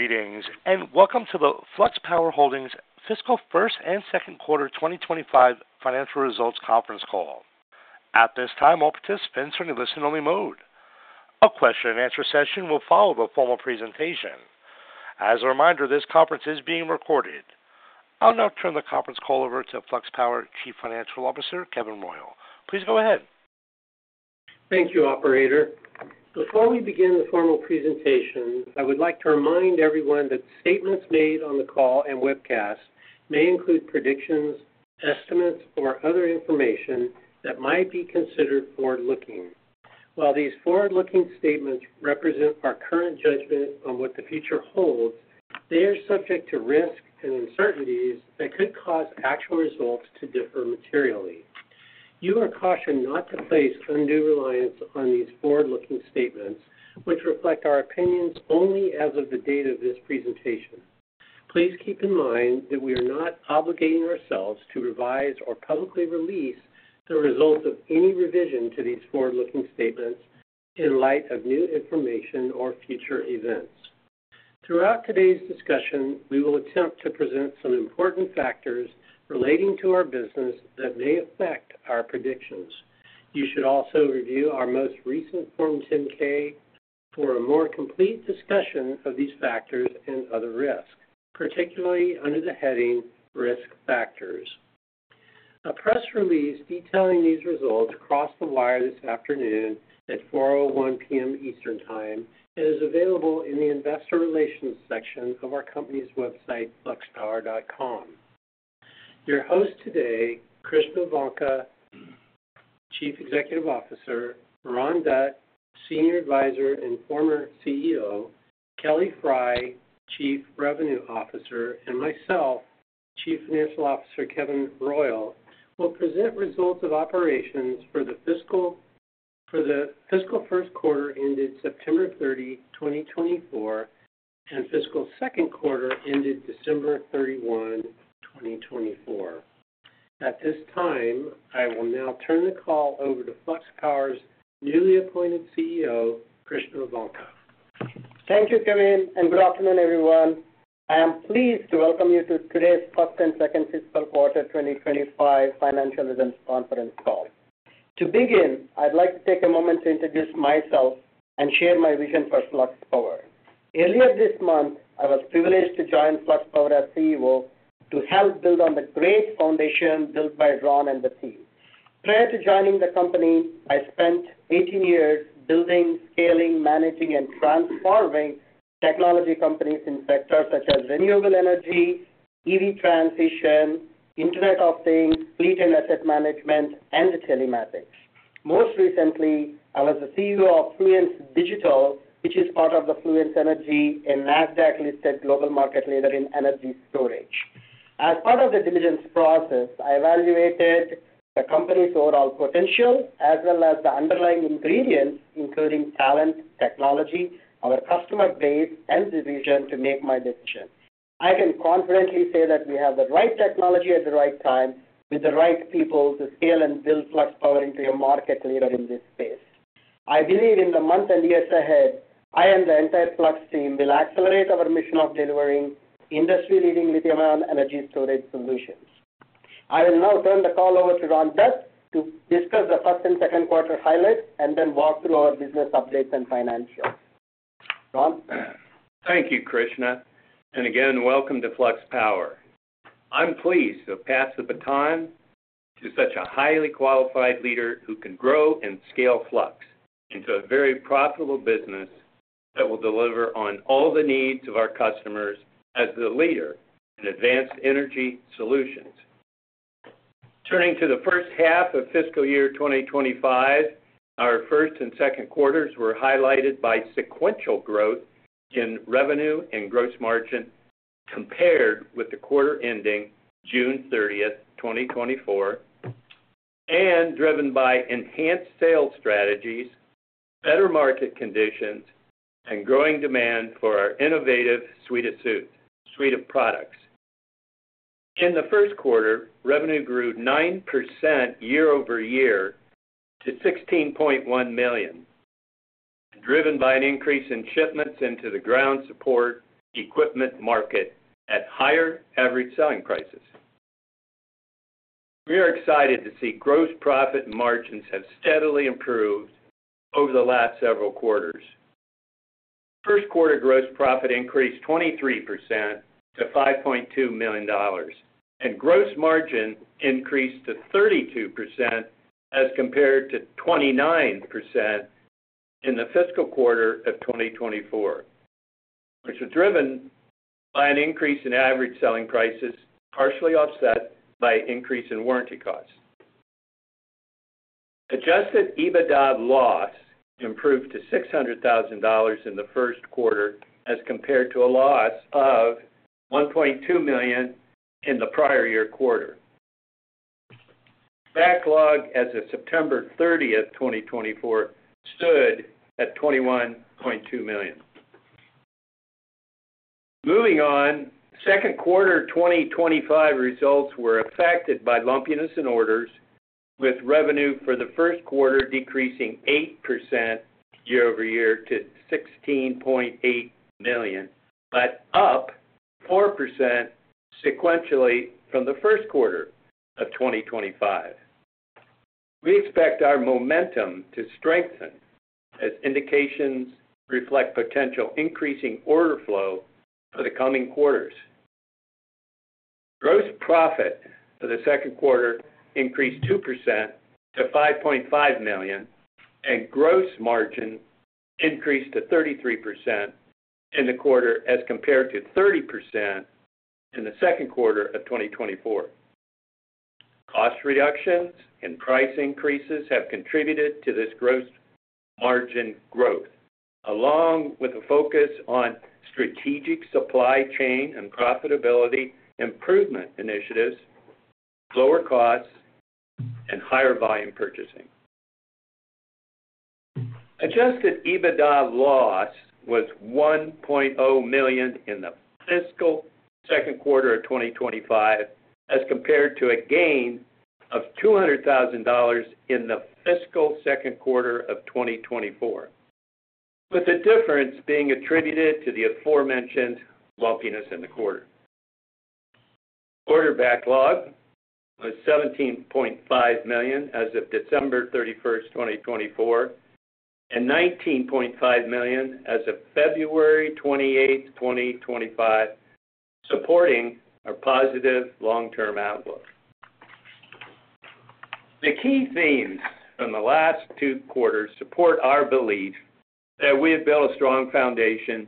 Greetings, and welcome to the Flux Power Holdings Fiscal First and Second Quarter 2025 Financial Results Conference Call. At this time, all participants are in a listen-only mode. A question-and-answer session will follow the formal presentation. As a reminder, this conference is being recorded. I'll now turn the conference call over to Flux Power Chief Financial Officer, Kevin Royal. Please go ahead. Thank you, Operator. Before we begin the formal presentation, I would like to remind everyone that statements made on the call and webcast may include predictions, estimates, or other information that might be considered forward-looking. While these forward-looking statements represent our current judgment on what the future holds, they are subject to risks and uncertainties that could cause actual results to differ materially. You are cautioned not to place undue reliance on these forward-looking statements, which reflect our opinions only as of the date of this presentation. Please keep in mind that we are not obligating ourselves to revise or publicly release the results of any revision to these forward-looking statements in light of new information or future events. Throughout today's discussion, we will attempt to present some important factors relating to our business that may affect our predictions. You should also review our most recent Form 10-K for a more complete discussion of these factors and other risks, particularly under the heading "Risk Factors." A press release detailing these results crossed the wire this afternoon at 4:01 P.M. Eastern Time and is available in the Investor Relations section of our company's website, FluxPower.com. Your host today, Krishna Vanka, Chief Executive Officer; Ron Dutt, Senior Advisor and former CEO; Kelly Frey, Chief Revenue Officer; and myself, Chief Financial Officer Kevin Royal, will present results of operations for the Fiscal First Quarter ended September 30, 2024, and Fiscal Second Quarter ended December 31, 2024. At this time, I will now turn the call over to Flux Power's newly appointed CEO, Krishna Vanka. Thank you, Kevin, and good afternoon, everyone. I am pleased to welcome you to today's First and Second Fiscal Quarter 2025 Financial Results Conference Call. To begin, I'd like to take a moment to introduce myself and share my vision for Flux Power. Earlier this month, I was privileged to join Flux Power as CEO to help build on the great foundation built by Ron and the team. Prior to joining the company, I spent 18 years building, scaling, managing, and transforming technology companies in sectors such as renewable energy, EV transition, Internet of Things, fleet and asset management, and telematics. Most recently, I was the CEO of Fluence Energy and Nasdaq-listed global market leader in energy storage. As part of the diligence process, I evaluated the company's overall potential as well as the underlying ingredients, including talent, technology, our customer base, and the vision to make my decision. I can confidently say that we have the right technology at the right time with the right people to scale and build Flux Power into a market leader in this space. I believe in the months and years ahead, I and the entire Flux team will accelerate our mission of delivering industry-leading lithium-ion energy storage solutions. I will now turn the call over to Ron Dutt to discuss the First and Second Quarter highlights and then walk through our business updates and financials. Ron. Thank you, Krishna. Again, welcome to Flux Power. I'm pleased to pass the baton to such a highly qualified leader who can grow and scale Flux into a very profitable business that will deliver on all the needs of our customers as the leader in advanced energy solutions. Turning to the first half of Fiscal Year 2025, our first and second quarters were highlighted by sequential growth in revenue and gross margin compared with the quarter ending June 30, 2024, and driven by enhanced sales strategies, better market conditions, and growing demand for our innovative suite of products. In the first quarter, revenue grew 9% year-over-year to $16.1 million, driven by an increase in shipments into the ground support equipment market at higher average selling prices. We are excited to see gross profit margins have steadily improved over the last several quarters. First Quarter gross profit increased 23% to $5.2 million, and gross margin increased to 32% as compared to 29% in the Fiscal Quarter of 2024, which was driven by an increase in average selling prices partially offset by an increase in warranty costs. Adjusted EBITDA loss improved to $600,000 in the First Quarter as compared to a loss of $1.2 million in the prior year quarter. Backlog as of September 30th, 2024, stood at $21.2 million. Moving on, Second Quarter 2025 results were affected by lumpiness in orders, with revenue for the First Quarter decreasing 8% year-over-year to $16.8 million, but up 4% sequentially from the First Quarter of 2025. We expect our momentum to strengthen as indications reflect potential increasing order flow for the coming quarters. Gross profit for the Second Quarter increased 2% to $5.5 million, and gross margin increased to 33% in the quarter as compared to 30% in the Second Quarter of 2024. Cost reductions and price increases have contributed to this gross margin growth, along with a focus on strategic supply chain and profitability improvement initiatives, lower costs, and higher volume purchasing. Adjusted EBITDA loss was $1.0 million in the Fiscal Second Quarter of 2025 as compared to a gain of $200,000 in the Fiscal Second Quarter of 2024, with the difference being attributed to the aforementioned lumpiness in the quarter. Quarter backlog was $17.5 million as of December 31st, 2024, and $19.5 million as of February 28th, 2025, supporting our positive long-term outlook. The key themes from the last two quarters support our belief that we have built a strong foundation,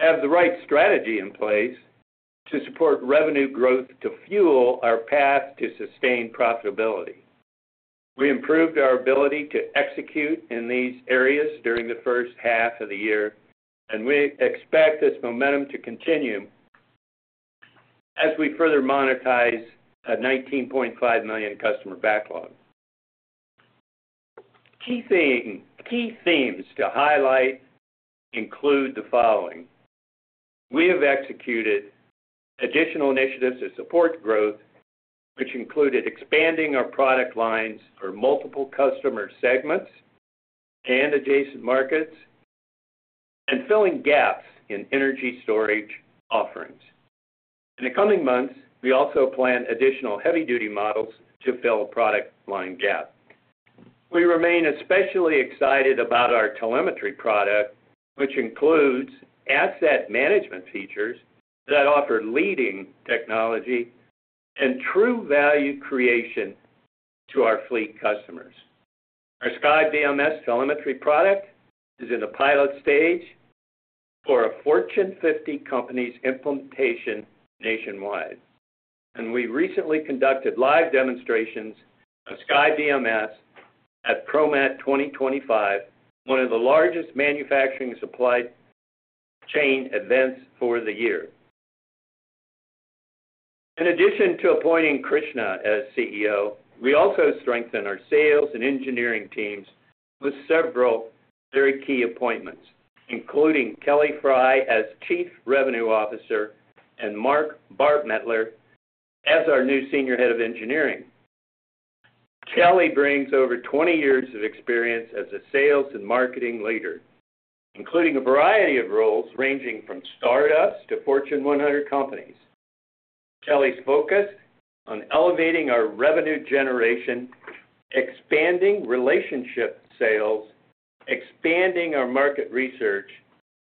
have the right strategy in place to support revenue growth to fuel our path to sustained profitability. We improved our ability to execute in these areas during the first half of the year, and we expect this momentum to continue as we further monetize a $19.5 million customer backlog. Key themes to highlight include the following: we have executed additional initiatives to support growth, which included expanding our product lines for multiple customer segments and adjacent markets, and filling gaps in energy storage offerings. In the coming months, we also plan additional heavy-duty models to fill product line gaps. We remain especially excited about our telemetry product, which includes asset management features that offer leading technology and true value creation to our fleet customers. Our SkyBMS telemetry product is in the pilot stage for a Fortune 50 company's implementation nationwide, and we recently conducted live demonstrations of SkyBMS at ProMat 2025, one of the largest manufacturing supply chain events for the year. In addition to appointing Krishna as CEO, we also strengthened our sales and engineering teams with several very key appointments, including Kelly Frey as Chief Revenue Officer and Mark Barmettler as our new Senior Head of Engineering. Kelly brings over 20 years of experience as a sales and marketing leader, including a variety of roles ranging from startups to Fortune 100 companies. Kelly's focus is on elevating our revenue generation, expanding relationship sales, expanding our market research,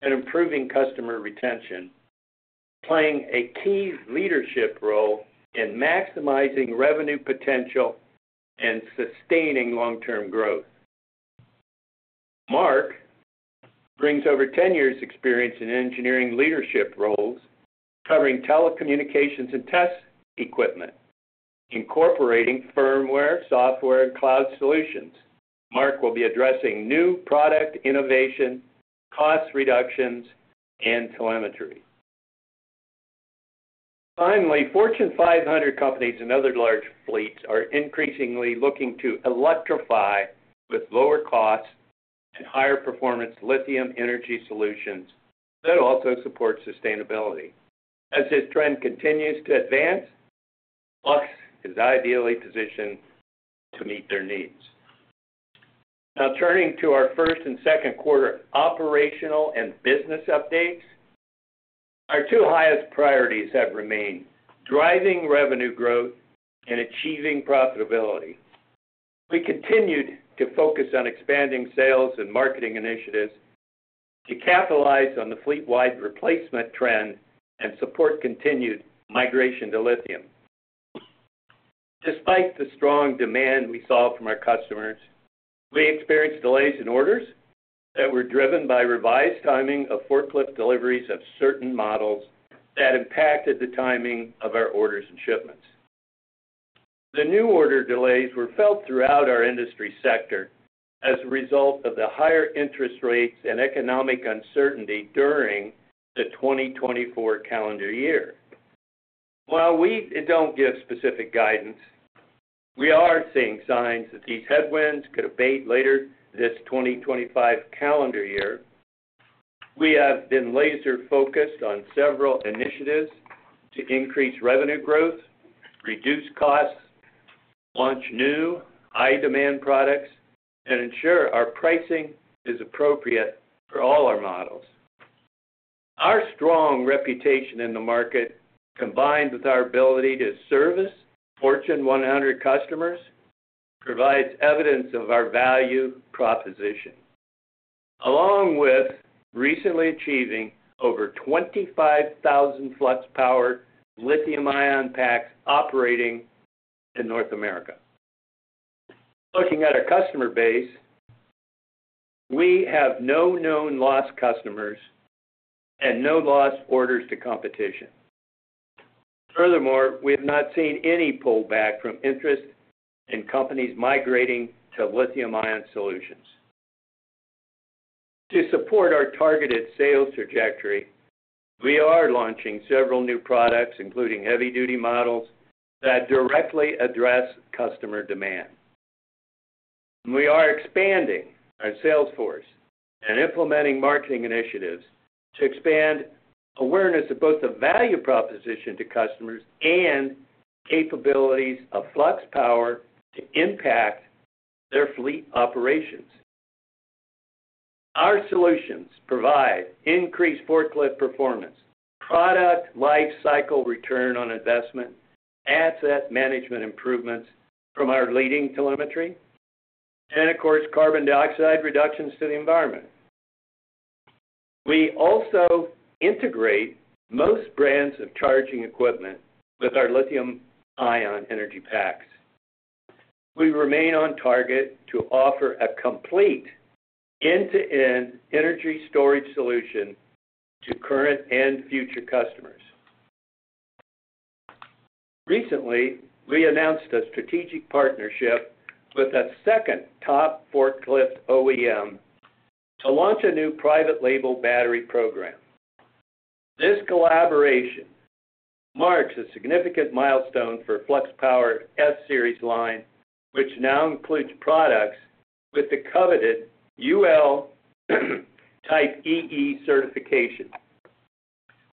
and improving customer retention, playing a key leadership role in maximizing revenue potential and sustaining long-term growth. Mark brings over 10 years' experience in engineering leadership roles, covering telecommunications and test equipment, incorporating firmware, software, and cloud solutions. Mark will be addressing new product innovation, cost reductions, and telemetry. Finally, Fortune 500 companies and other large fleets are increasingly looking to electrify with lower costs and higher performance lithium energy solutions that also support sustainability. As this trend continues to advance, Flux is ideally positioned to meet their needs. Now, turning to our First and Second Quarter operational and business updates, our two highest priorities have remained: driving revenue growth and achieving profitability. We continued to focus on expanding sales and marketing initiatives to capitalize on the fleet-wide replacement trend and support continued migration to lithium. Despite the strong demand we saw from our customers, we experienced delays in orders that were driven by revised timing of forklift deliveries of certain models that impacted the timing of our orders and shipments. The new order delays were felt throughout our industry sector as a result of the higher interest rates and economic uncertainty during the 2024 calendar year. While we don't give specific guidance, we are seeing signs that these headwinds could abate later this 2025 calendar year. We have been laser-focused on several initiatives to increase revenue growth, reduce costs, launch new high-demand products, and ensure our pricing is appropriate for all our models. Our strong reputation in the market, combined with our ability to service Fortune 100 customers, provides evidence of our value proposition, along with recently achieving over 25,000 Flux Power lithium-ion packs operating in North America. Looking at our customer base, we have no known lost customers and no lost orders to competition. Furthermore, we have not seen any pullback from interest in companies migrating to lithium-ion solutions. To support our targeted sales trajectory, we are launching several new products, including heavy-duty models that directly address customer demand. We are expanding our sales force and implementing marketing initiatives to expand awareness of both the value proposition to customers and capabilities of Flux Power to impact their fleet operations. Our solutions provide increased forklift performance, product lifecycle return on investment, asset management improvements from our leading telemetry, and, of course, carbon dioxide reductions to the environment. We also integrate most brands of charging equipment with our lithium-ion energy packs. We remain on target to offer a complete end-to-end energy storage solution to current and future customers. Recently, we announced a strategic partnership with a second top forklift OEM to launch a new private-label battery program. This collaboration marks a significant milestone for Flux Power S-Series line, which now includes products with the coveted UL Type EE certification,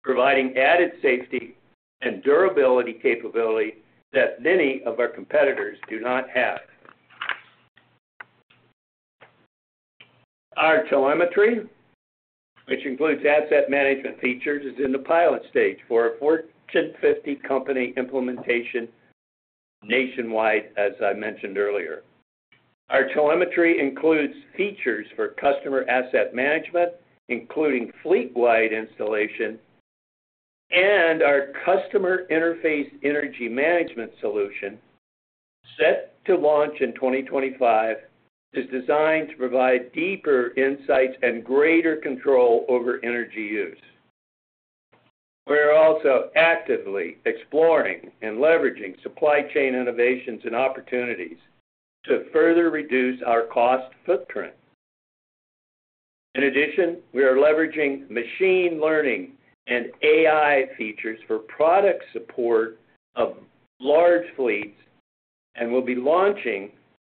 providing added safety and durability capability that many of our competitors do not have. Our telemetry, which includes asset management features, is in the pilot stage for a Fortune 50 company implementation nationwide, as I mentioned earlier. Our telemetry includes features for customer asset management, including fleet-wide installation, and our customer interface energy management solution, set to launch in 2025, is designed to provide deeper insights and greater control over energy use. We are also actively exploring and leveraging supply chain innovations and opportunities to further reduce our cost footprint. In addition, we are leveraging machine learning and AI features for product support of large fleets and will be launching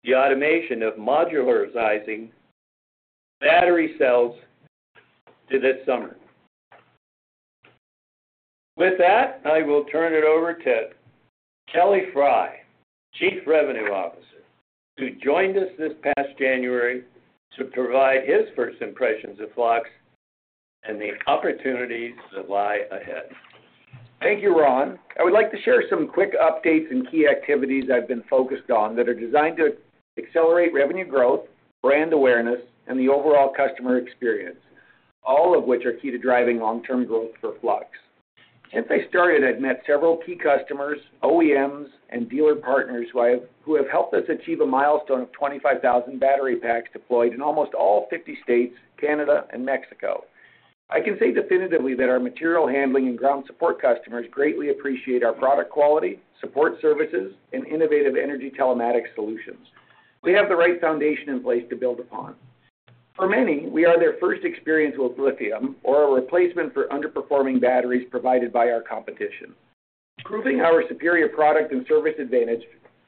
the automation of modularizing battery cells this summer. With that, I will turn it over to Kelly Frey, Chief Revenue Officer, who joined us this past January to provide his first impressions of Flux and the opportunities that lie ahead. Thank you, Ron. I would like to share some quick updates and key activities I've been focused on that are designed to accelerate revenue growth, brand awareness, and the overall customer experience, all of which are key to driving long-term growth for Flux. Since I started, I've met several key customers, OEMs, and dealer partners who have helped us achieve a milestone of 25,000 battery packs deployed in almost all 50 states, Canada, and Mexico. I can say definitively that our material handling and ground support customers greatly appreciate our product quality, support services, and innovative energy telematics solutions. We have the right foundation in place to build upon. For many, we are their first experience with lithium or a replacement for underperforming batteries provided by our competition. Proving our superior product and service advantage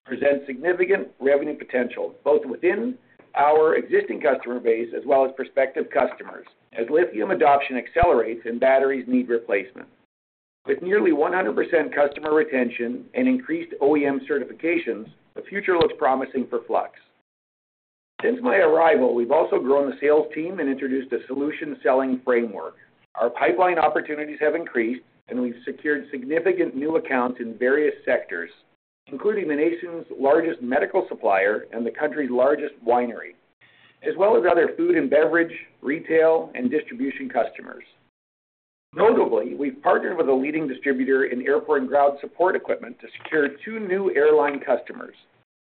presents significant revenue potential both within our existing customer base as well as prospective customers as lithium adoption accelerates and batteries need replacement. With nearly 100% customer retention and increased OEM certifications, the future looks promising for Flux Power. Since my arrival, we've also grown the sales team and introduced a solution selling framework. Our pipeline opportunities have increased, and we've secured significant new accounts in various sectors, including the nation's largest medical supplier and the country's largest winery, as well as other food and beverage, retail, and distribution customers. Notably, we've partnered with a leading distributor in airport and ground support equipment to secure two new airline customers.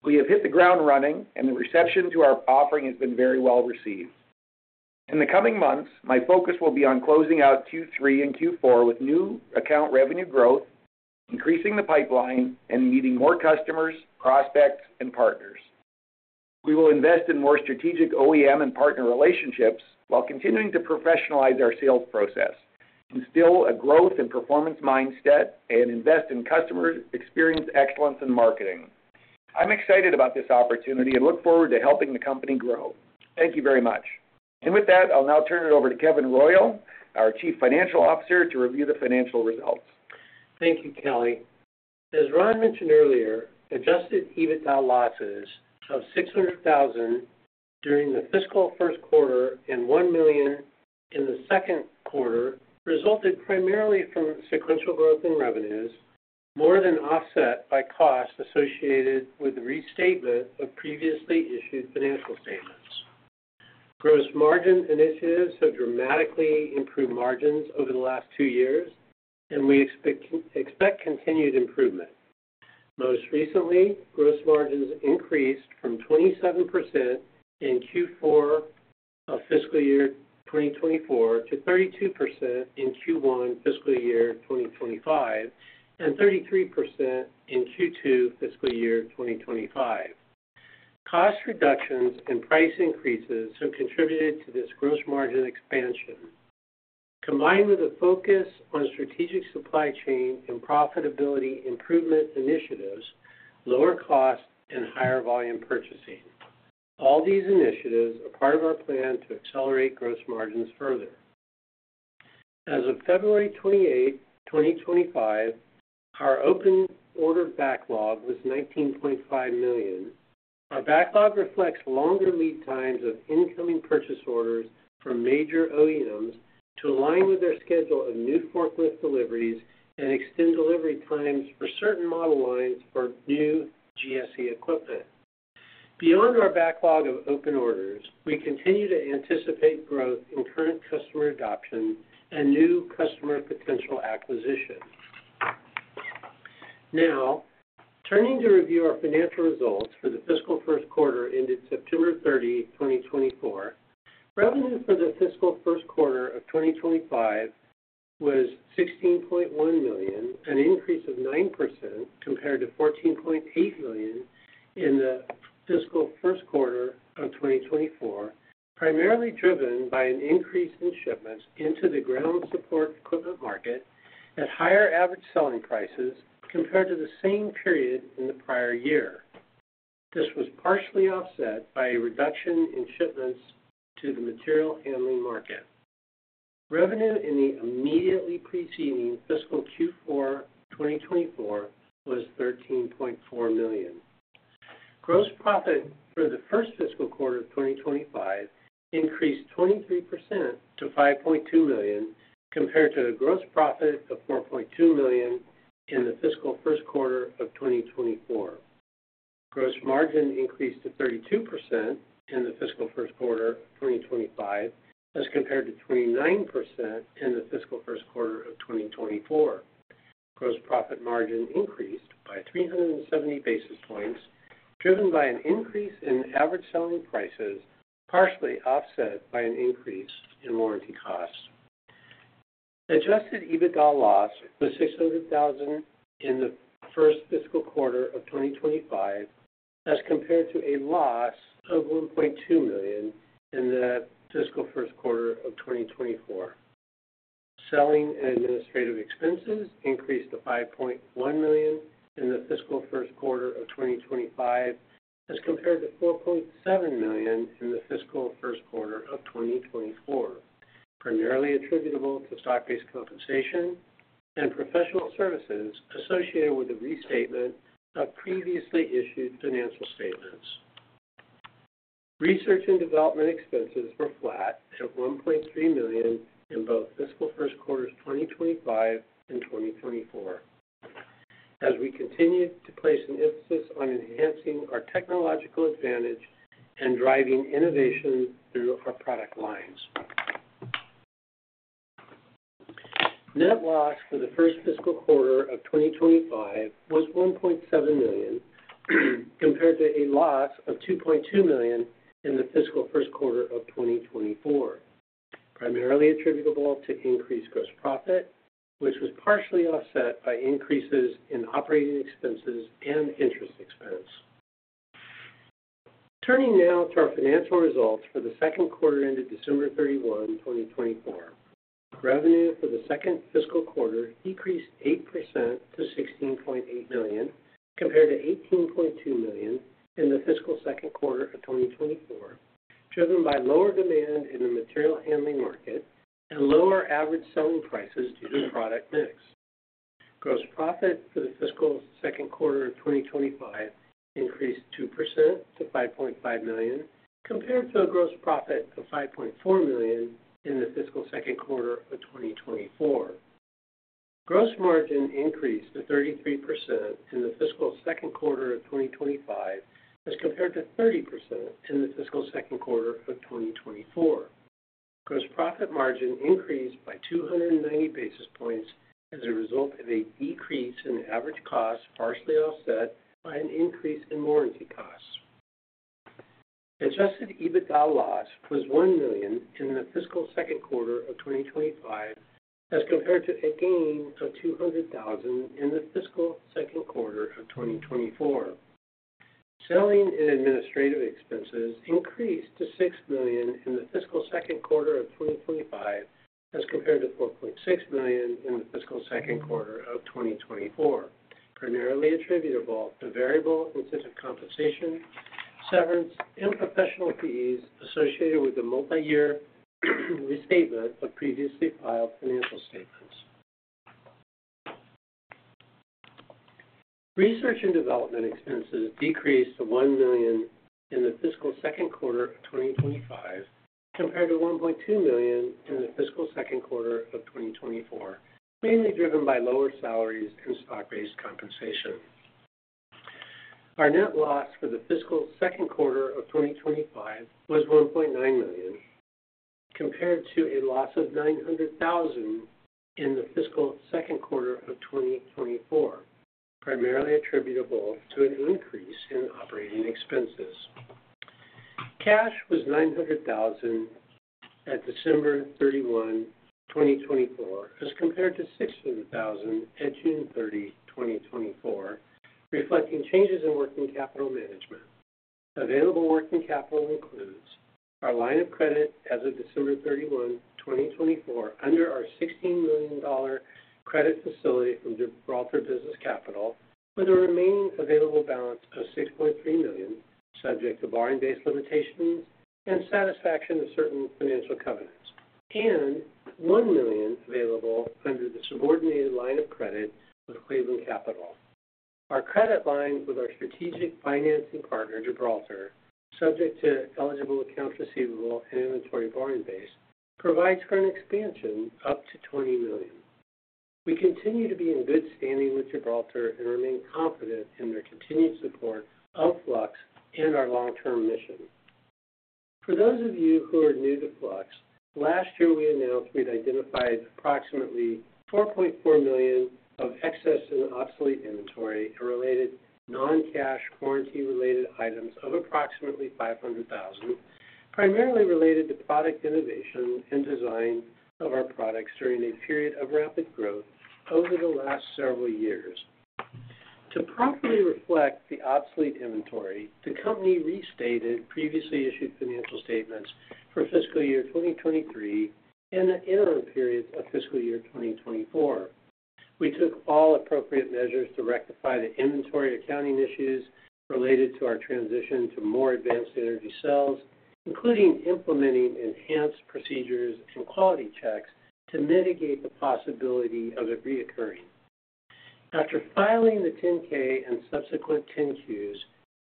We have hit the ground running, and the reception to our offering has been very well received. In the coming months, my focus will be on closing out Q3 and Q4 with new account revenue growth, increasing the pipeline, and meeting more customers, prospects, and partners. We will invest in more strategic OEM and partner relationships while continuing to professionalize our sales process, instill a growth and performance mindset, and invest in customer experience excellence and marketing. I'm excited about this opportunity and look forward to helping the company grow. Thank you very much. With that, I'll now turn it over to Kevin Royal, our Chief Financial Officer, to review the financial results. Thank you, Kelly. As Ron mentioned earlier, adjusted EBITDA losses of $600,000 during the fiscal first quarter and $1 million in the second quarter resulted primarily from sequential growth in revenues, more than offset by costs associated with the restatement of previously issued financial statements. Gross margin initiatives have dramatically improved margins over the last two years, and we expect continued improvement. Most recently, gross margins increased from 27% in Q4 of fiscal year 2024 to 32% in Q1 fiscal year 2025 and 33% in Q2 fiscal year 2025. Cost reductions and price increases have contributed to this gross margin expansion, combined with a focus on strategic supply chain and profitability improvement initiatives, lower cost, and higher volume purchasing. All these initiatives are part of our plan to accelerate gross margins further. As of February 28, 2025, our open order backlog was $19.5 million. Our backlog reflects longer lead times of incoming purchase orders from major OEMs to align with their schedule of new forklift deliveries and extend delivery times for certain model lines for new GSE equipment. Beyond our backlog of open orders, we continue to anticipate growth in current customer adoption and new customer potential acquisition. Now, turning to review our financial results for the fiscal first quarter ended September 30, 2024, revenue for the fiscal first quarter of 2025 was $16.1 million, an increase of 9% compared to $14.8 million in the fiscal first quarter of 2024, primarily driven by an increase in shipments into the ground support equipment market at higher average selling prices compared to the same period in the prior year. This was partially offset by a reduction in shipments to the material handling market. Revenue in the immediately preceding fiscal Q4 2024 was $13.4 million. Gross profit for the first fiscal quarter of 2025 increased 23% to $5.2 million compared to the gross profit of $4.2 million in the fiscal first quarter of 2024. Gross margin increased to 32% in the fiscal first quarter of 2025 as compared to 29% in the fiscal first quarter of 2024. Gross profit margin increased by 370 basis points, driven by an increase in average selling prices partially offset by an increase in warranty costs. Adjusted EBITDA loss was $600,000 in the first fiscal quarter of 2025 as compared to a loss of $1.2 million in the fiscal first quarter of 2024. Selling and administrative expenses increased to $5.1 million in the fiscal first quarter of 2025 as compared to $4.7 million in the fiscal first quarter of 2024, primarily attributable to stock-based compensation and professional services associated with the restatement of previously issued financial statements. Research and development expenses were flat at $1.3 million in both fiscal first quarters 2025 and 2024, as we continue to place an emphasis on enhancing our technological advantage and driving innovation through our product lines. Net loss for the first fiscal quarter of 2025 was $1.7 million compared to a loss of $2.2 million in the fiscal first quarter of 2024, primarily attributable to increased gross profit, which was partially offset by increases in operating expenses and interest expense. Turning now to our financial results for the second quarter ended December 31, 2024, revenue for the second fiscal quarter decreased 8% to $16.8 million compared to $18.2 million in the fiscal second quarter of 2024, driven by lower demand in the material handling market and lower average selling prices due to product mix. Gross profit for the fiscal second quarter of 2025 increased 2% to $5.5 million compared to a gross profit of $5.4 million in the fiscal second quarter of 2024. Gross margin increased to 33% in the fiscal second quarter of 2025 as compared to 30% in the fiscal second quarter of 2024. Gross profit margin increased by 290 basis points as a result of a decrease in average costs partially offset by an increase in warranty costs. Adjusted EBITDA loss was $1 million in the fiscal second quarter of 2025 as compared to a gain of $200,000 in the fiscal second quarter of 2024. Selling and administrative expenses increased to $6 million in the fiscal second quarter of 2025 as compared to $4.6 million in the fiscal second quarter of 2024, primarily attributable to variable incentive compensation, severance, and professional fees associated with the multi-year restatement of previously filed financial statements. Research and development expenses decreased to $1 million in the fiscal second quarter of 2025 compared to $1.2 million in the fiscal second quarter of 2024, mainly driven by lower salaries and stock-based compensation. Our net loss for the fiscal second quarter of 2025 was $1.9 million compared to a loss of $900,000 in the fiscal second quarter of 2024, primarily attributable to an increase in operating expenses. Cash was $900,000 at December 31, 2024, as compared to $600,000 at June 30, 2024, reflecting changes in working capital management. Available working capital includes our line of credit as of December 31, 2024, under our $16 million credit facility from Gibraltar Business Capital, with a remaining available balance of $6.3 million, subject to borrowing-based limitations and satisfaction of certain financial covenants, and $1 million available under the subordinated line of credit with Cleveland Capital. Our credit line with our strategic financing partner, Gibraltar, subject to eligible accounts receivable and inventory borrowing base, provides current expansion up to $20 million. We continue to be in good standing with Gibraltar and remain confident in their continued support of Flux and our long-term mission. For those of you who are new to Flux, last year we announced we'd identified approximately $4.4 million of excess and obsolete inventory and related non-cash warranty-related items of approximately $500,000, primarily related to product innovation and design of our products during a period of rapid growth over the last several years. To properly reflect the obsolete inventory, the company restated previously issued financial statements for fiscal year 2023 and the interim periods of fiscal year 2024. We took all appropriate measures to rectify the inventory accounting issues related to our transition to more advanced energy cells, including implementing enhanced procedures and quality checks to mitigate the possibility of it reoccurring. After filing the 10-K and subsequent 10-Qs,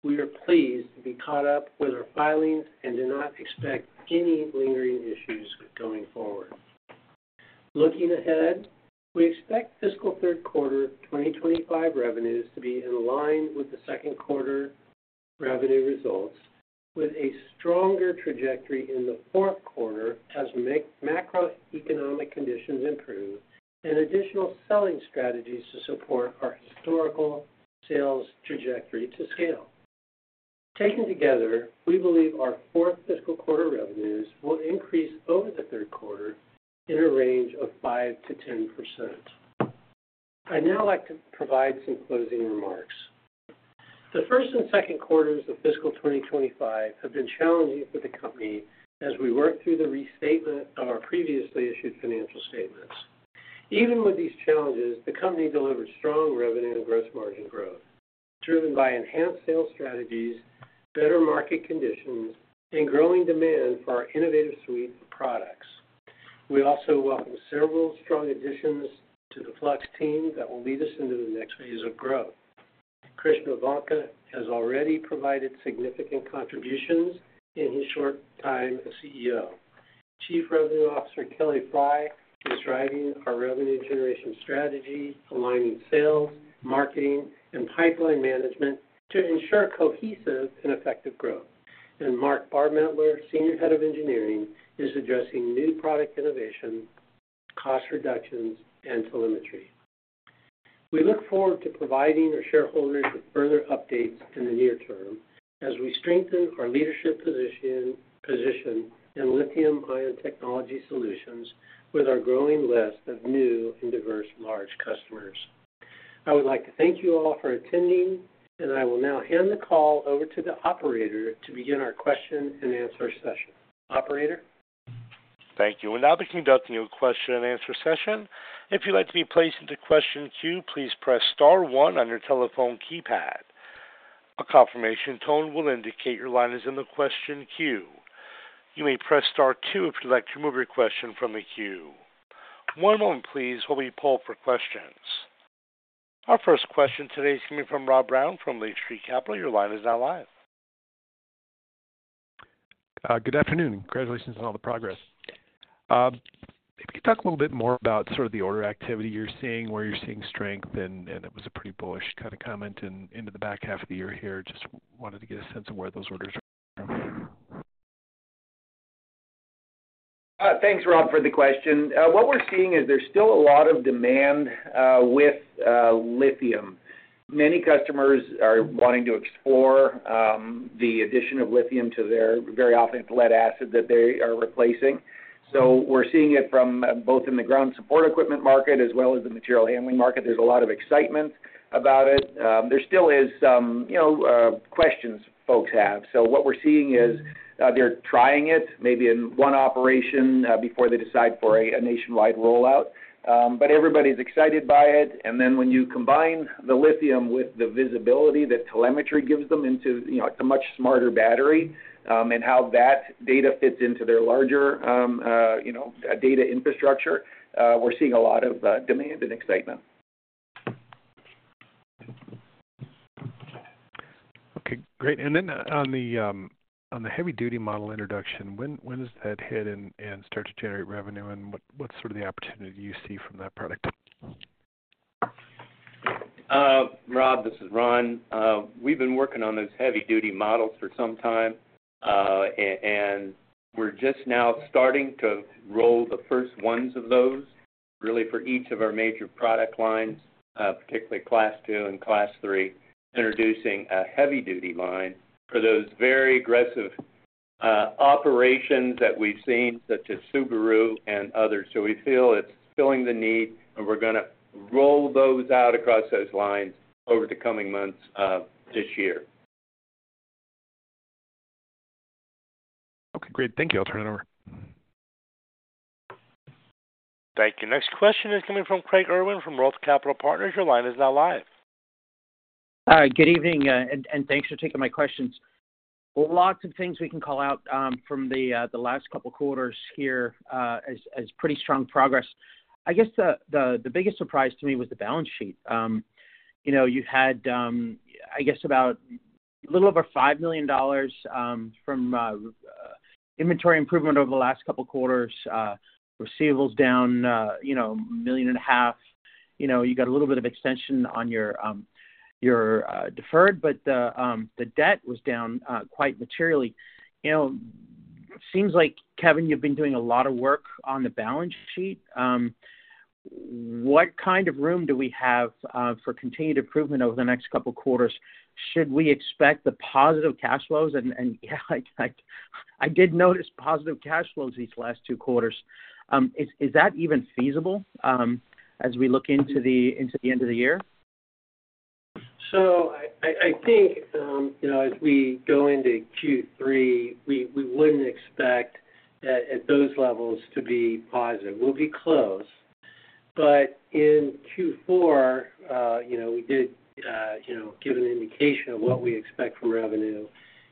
we are pleased to be caught up with our filings and do not expect any lingering issues going forward. Looking ahead, we expect fiscal third quarter 2025 revenues to be in line with the second quarter revenue results, with a stronger trajectory in the fourth quarter as macroeconomic conditions improve and additional selling strategies to support our historical sales trajectory to scale. Taken together, we believe our fourth fiscal quarter revenues will increase over the third quarter in a range of 5%-10%. I'd now like to provide some closing remarks. The first and second quarters of fiscal 2025 have been challenging for the company as we work through the restatement of our previously issued financial statements. Even with these challenges, the company delivered strong revenue and gross margin growth, driven by enhanced sales strategies, better market conditions, and growing demand for our innovative suite of products. We also welcome several strong additions to the Flux team that will lead us into the next phase of growth. Krishna Vanka has already provided significant contributions in his short time as CEO. Chief Revenue Officer Kelly Frey is driving our revenue generation strategy, aligning sales, marketing, and pipeline management to ensure cohesive and effective growth. Mark Barmettler, Senior Head of Engineering, is addressing new product innovation, cost reductions, and telemetry. We look forward to providing our shareholders with further updates in the near term as we strengthen our leadership position in lithium-ion technology solutions with our growing list of new and diverse large customers. I would like to thank you all for attending, and I will now hand the call over to the operator to begin our question and answer session. Operator. Thank you. We will now be conducting a question and answer session. If you would like to be placed into the question queue, please press star one on your telephone keypad. A confirmation tone will indicate your line is in the question queue. You may press star two if you'd like to remove your question from the queue. One moment, please, while we pull up our questions. Our first question today is coming from Rob Brown from Lake Street Capital. Your line is now live. Good afternoon. Congratulations on all the progress. If you could talk a little bit more about sort of the order activity you're seeing, where you're seeing strength, and it was a pretty bullish kind of comment into the back half of the year here. Just wanted to get a sense of where those orders are coming from. Thanks, Rob, for the question. What we're seeing is there's still a lot of demand with lithium. Many customers are wanting to explore the addition of lithium to their VRLA lead acid that they are replacing. We're seeing it from both in the ground support equipment market as well as the material handling market. There's a lot of excitement about it. There still is some questions folks have. What we're seeing is they're trying it maybe in one operation before they decide for a nationwide rollout, but everybody's excited by it. When you combine the lithium with the visibility that telemetry gives them into a much smarter battery and how that data fits into their larger data infrastructure, we're seeing a lot of demand and excitement. Okay. Great. On the heavy-duty model introduction, when does that hit and start to generate revenue, and what sort of the opportunity you see from that product? Rob, this is Ron. We've been working on those heavy-duty models for some time, and we're just now starting to roll the first ones of those, really, for each of our major product lines, particularly class two and class three, introducing a heavy-duty line for those very aggressive operations that we've seen, such as Subaru and others. We feel it's filling the need, and we're going to roll those out across those lines over the coming months of this year. Okay. Great. Thank you. I'll turn it over. Thank you. Next question is coming from Craig Irwin from Roth Capital Partners. Your line is now live. Good evening, and thanks for taking my questions. Lots of things we can call out from the last couple of quarters here as pretty strong progress. I guess the biggest surprise to me was the balance sheet. You had, I guess, about a little over $5 million from inventory improvement over the last couple of quarters. Receivables down $1.5 million. You got a little bit of extension on your deferred, but the debt was down quite materially. Seems like, Kevin, you've been doing a lot of work on the balance sheet. What kind of room do we have for continued improvement over the next couple of quarters? Should we expect the positive cash flows? I did notice positive cash flows these last two quarters. Is that even feasible as we look into the end of the year? I think as we go into Q3, we wouldn't expect at those levels to be positive. We'll be close. In Q4, we did give an indication of what we expect from revenue.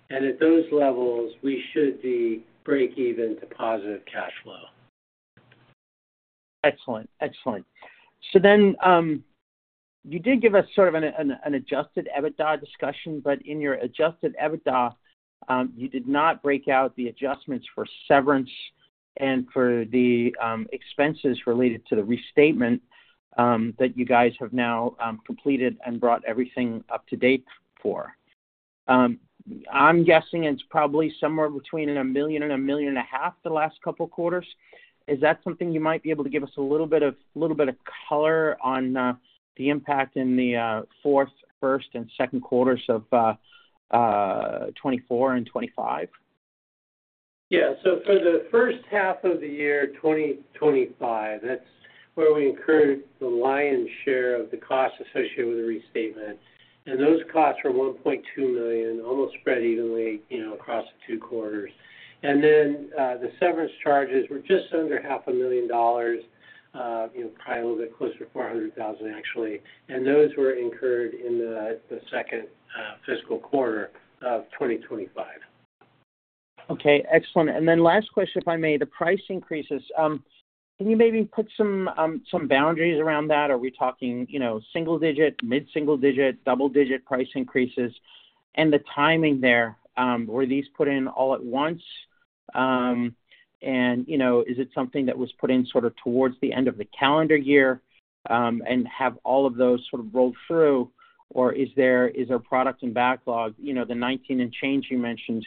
At those levels, we should be break-even to positive cash flow. Excellent. Excellent. You did give us sort of an adjusted EBITDA discussion, but in your adjusted EBITDA, you did not break out the adjustments for severance and for the expenses related to the restatement that you guys have now completed and brought everything up to date for. I'm guessing it's probably somewhere between $1 million and $1.5 million the last couple of quarters. Is that something you might be able to give us a little bit of color on the impact in the fourth, first, and second quarters of 2024 and 2025? Yeah. For the first half of the year 2025, that's where we incurred the lion's share of the costs associated with the restatement. Those costs were $1.2 million, almost spread evenly across the two quarters. The severance charges were just under $500,000, probably a little bit closer to $400,000, actually. Those were incurred in the second fiscal quarter of 2025. Okay. Excellent. Last question, if I may, the price increases. Can you maybe put some boundaries around that? Are we talking single-digit, mid-single-digit, double-digit price increases? The timing there, were these put in all at once? Is it something that was put in sort of towards the end of the calendar year and have all of those sort of rolled through? Or is there product and backlog, the 19 and change you mentioned,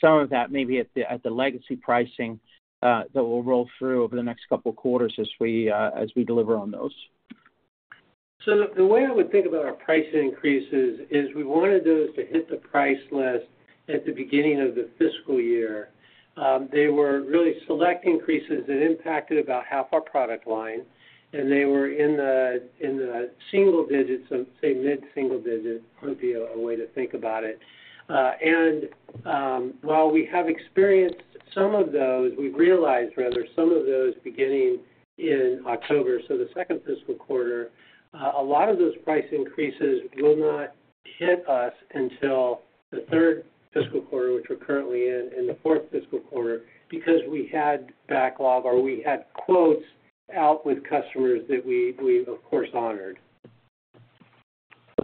some of that maybe at the legacy pricing that will roll through over the next couple of quarters as we deliver on those? The way I would think about our price increases is we wanted those to hit the price list at the beginning of the fiscal year. They were really select increases that impacted about half our product line, and they were in the single digits, say, mid-single digit would be a way to think about it. While we have experienced some of those, we've realized, rather, some of those beginning in October, so the second fiscal quarter, a lot of those price increases will not hit us until the third fiscal quarter, which we're currently in, and the fourth fiscal quarter because we had backlog or we had quotes out with customers that we, of course, honored.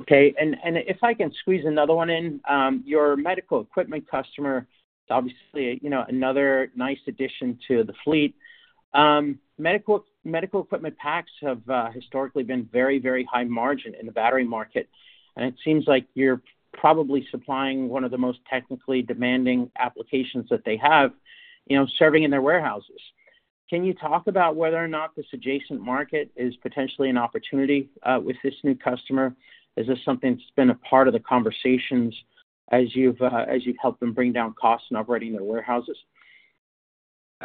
Okay. If I can squeeze another one in, your medical equipment customer, obviously, another nice addition to the fleet. Medical equipment packs have historically been very, very high margin in the battery market. It seems like you're probably supplying one of the most technically demanding applications that they have serving in their warehouses. Can you talk about whether or not this adjacent market is potentially an opportunity with this new customer? Is this something that's been a part of the conversations as you've helped them bring down costs and operating their warehouses?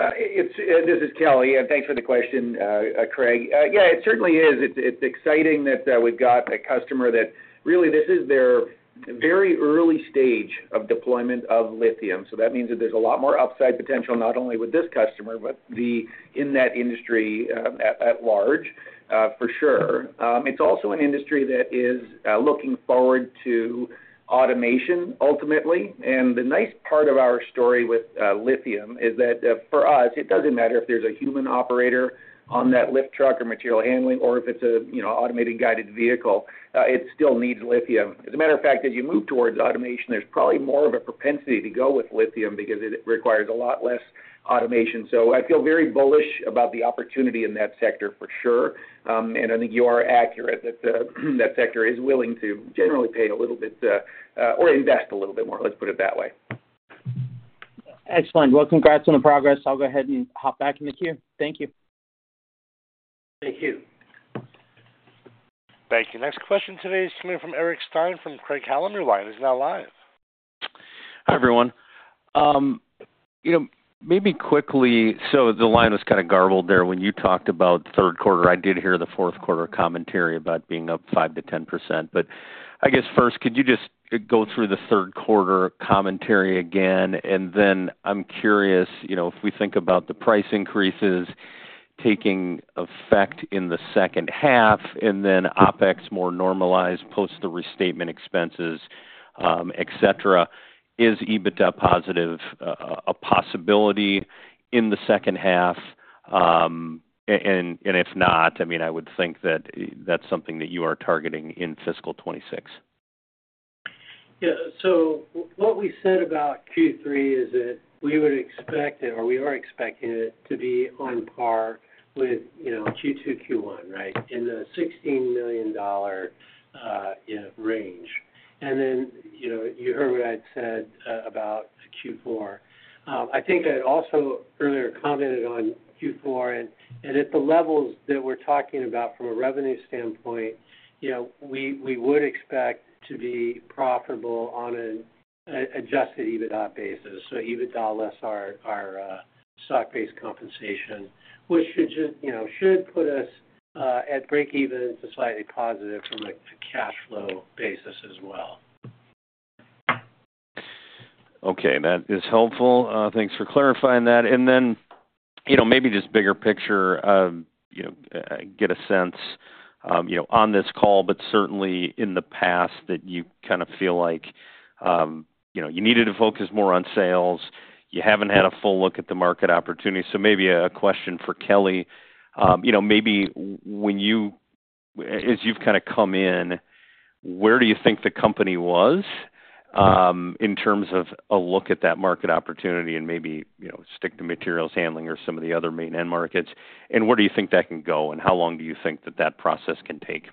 This is Kelly. Thanks for the question, Craig. Yeah, it certainly is. It's exciting that we've got a customer that really, this is their very early stage of deployment of lithium. That means that there's a lot more upside potential not only with this customer, but in that industry at large, for sure. It's also an industry that is looking forward to automation, ultimately. The nice part of our story with lithium is that for us, it doesn't matter if there's a human operator on that lift truck or material handling, or if it's an automated guided vehicle, it still needs lithium. As a matter of fact, as you move towards automation, there's probably more of a propensity to go with lithium because it requires a lot less automation. I feel very bullish about the opportunity in that sector, for sure. I think you are accurate that that sector is willing to generally pay a little bit or invest a little bit more, let's put it that way. Excellent. Congrats on the progress. I'll go ahead and hop back in the queue. Thank you. Thank you. Thank you. Next question today is coming from Eric Stine from Craig-Hallum. Your line is now live. Hi, everyone. Maybe quickly, the line was kind of garbled there when you talked about the third quarter. I did hear the fourth quarter commentary about being up 5%-10%. I guess first, could you just go through the third quarter commentary again? I am curious if we think about the price increases taking effect in the second half, and then OpEx more normalized post the restatement expenses, etc., is EBITDA positive a possibility in the second half? If not, I mean, I would think that that's something that you are targeting in fiscal 2026. Yeah. What we said about Q3 is that we would expect it, or we are expecting it to be on par with Q2, Q1, right, in the $16 million range. You heard what I said about Q4. I think I also earlier commented on Q4. At the levels that we're talking about from a revenue standpoint, we would expect to be profitable on an adjusted EBITDA basis. EBITDA less our stock-based compensation, which should put us at break-even to slightly positive from a cash flow basis as well. Okay. That is helpful. Thanks for clarifying that. Maybe just bigger picture, get a sense on this call, but certainly in the past that you kind of feel like you needed to focus more on sales. You haven't had a full look at the market opportunity. Maybe a question for Kelly. Maybe as you've kind of come in, where do you think the company was in terms of a look at that market opportunity and maybe stick to materials handling or some of the other main end markets? Where do you think that can go? How long do you think that that process can take?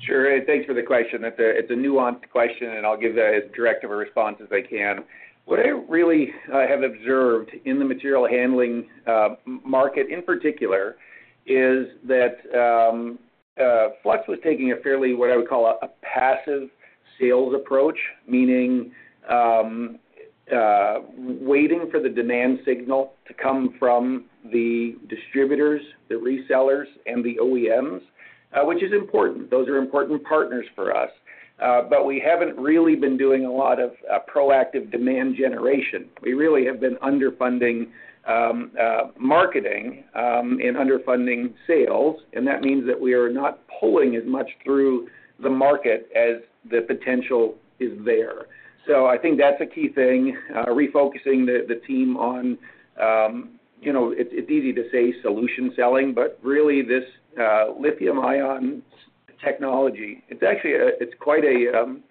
Sure. Thanks for the question. It's a nuanced question, and I'll give the direct of a response as I can. What I really have observed in the material handling market in particular is that Flux was taking a fairly, what I would call, a passive sales approach, meaning waiting for the demand signal to come from the distributors, the resellers, and the OEMs, which is important. Those are important partners for us. We haven't really been doing a lot of proactive demand generation. We really have been underfunding marketing and underfunding sales. That means that we are not pulling as much through the market as the potential is there. I think that's a key thing, refocusing the team on it's easy to say solution selling, but really, this lithium-ion technology, it's quite an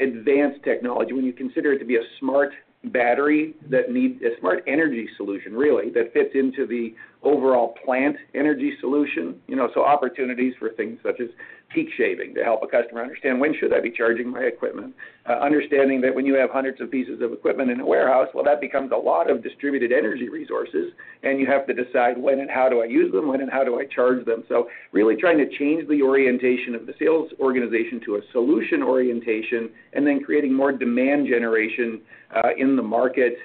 advanced technology when you consider it to be a smart battery that needs a smart energy solution, really, that fits into the overall plant energy solution. Opportunities for things such as peak shaving to help a customer understand, "When should I be charging my equipment?" Understanding that when you have hundreds of pieces of equipment in a warehouse, that becomes a lot of distributed energy resources, and you have to decide, "When and how do I use them? When and how do I charge them?" Really trying to change the orientation of the sales organization to a solution orientation and then creating more demand generation in the market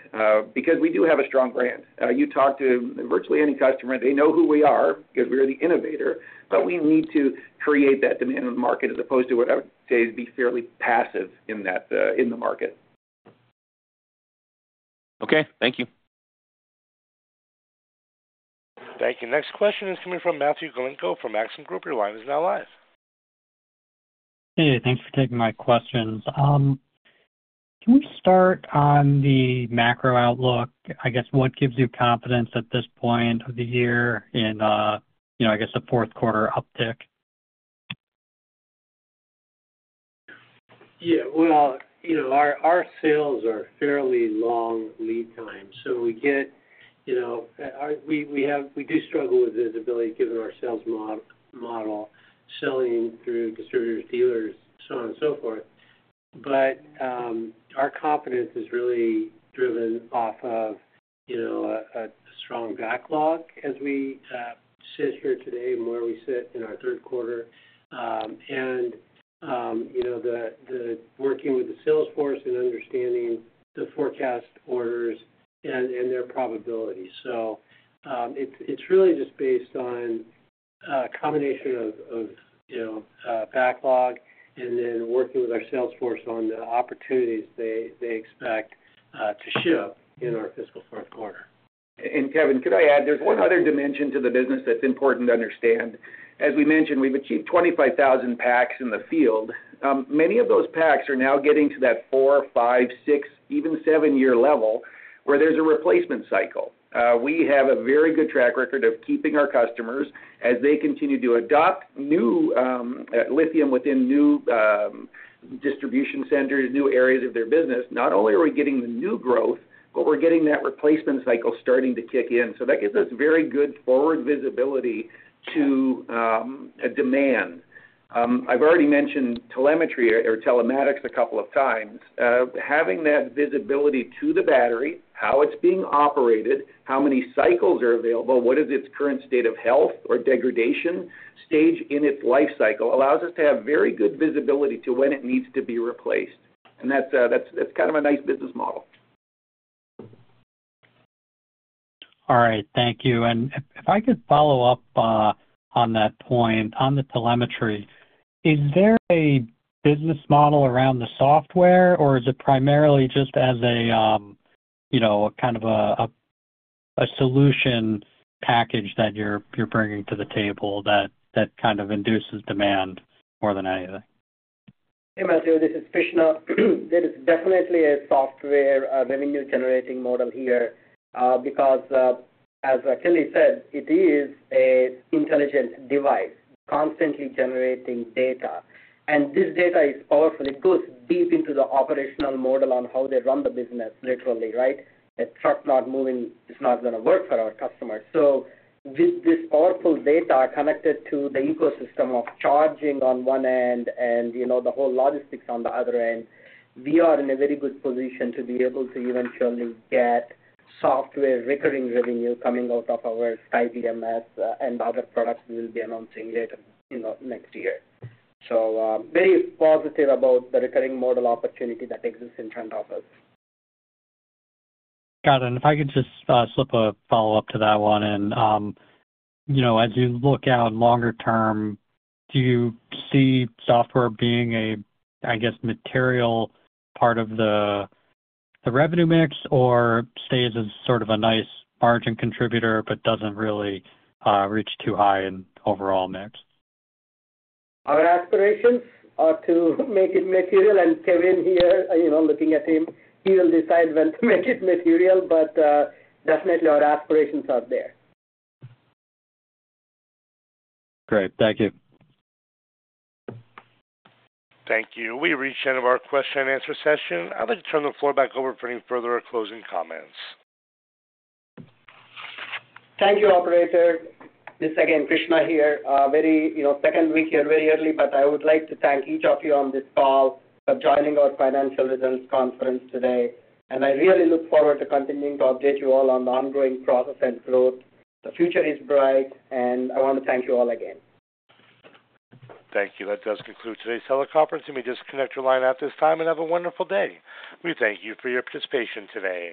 because we do have a strong brand. You talk to virtually any customer, they know who we are because we are the innovator, but we need to create that demand in the market as opposed to what I would say is be fairly passive in that in the market. Okay. Thank you. Thank you. Next question is coming from Matthew Galinko from Maxim Group. Your line is now live. Hey. Thanks for taking my questions. Can we start on the macro outlook? I guess what gives you confidence at this point of the year in, I guess, the fourth quarter uptick? Our sales are fairly long lead time. We do struggle with visibility given our sales model, selling through distributors, dealers, so on and so forth. Our confidence is really driven off of a strong backlog as we sit here today and where we sit in our third quarter and the working with the salesforce and understanding the forecast orders and their probabilities. It is really just based on a combination of backlog and then working with our salesforce on the opportunities they expect to show in our fiscal fourth quarter. Kevin, could I add there's one other dimension to the business that's important to understand. As we mentioned, we've achieved 25,000 packs in the field. Many of those packs are now getting to that four, five, six, even seven-year level where there's a replacement cycle. We have a very good track record of keeping our customers as they continue to adopt new lithium within new distribution centers, new areas of their business. Not only are we getting the new growth, but we're getting that replacement cycle starting to kick in. That gives us very good forward visibility to demand. I've already mentioned telemetry or telematics a couple of times. Having that visibility to the battery, how it's being operated, how many cycles are available, what is its current state of health or degradation stage in its life cycle allows us to have very good visibility to when it needs to be replaced. That's kind of a nice business model. All right. Thank you. If I could follow up on that point, on the telemetry, is there a business model around the software, or is it primarily just as a kind of a solution package that you're bringing to the table that kind of induces demand more than anything? Hey, Matthew. This is Krishna. There is definitely a software revenue-generating model here because, as Kelly said, it is an intelligent device constantly generating data. This data is powerful. It goes deep into the operational model on how they run the business, literally, right? A truck not moving, it's not going to work for our customers. With this powerful data connected to the ecosystem of charging on one end and the whole logistics on the other end, we are in a very good position to be able to eventually get software recurring revenue coming out of our SkyBMS and other products we will be announcing later next year. Very positive about the recurring model opportunity that exists in front of us. Got it. If I could just slip a follow-up to that one in. As you look out longer term, do you see software being a, I guess, material part of the revenue mix or stays as sort of a nice margin contributor but doesn't really reach too high in overall mix? Our aspirations are to make it material. And Kevin here, looking at him, he will decide when to make it material, but definitely our aspirations are there. Great. Thank you. Thank you. We reached the end of our question-and-answer session. I'd like to turn the floor back over for any further closing comments. Thank you, Operator. This is again Krishna here. Second week here, very early, but I would like to thank each of you on this call for joining our financial results conference today. I really look forward to continuing to update you all on the ongoing process and growth. The future is bright, and I want to thank you all again. Thank you. That does conclude today's teleconference. Let me just connect your line out this time and have a wonderful day. We thank you for your participation today.